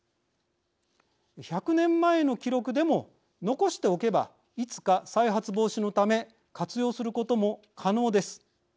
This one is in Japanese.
１００年前の記録でも残しておけばいつか再発防止のため活用することも可能です。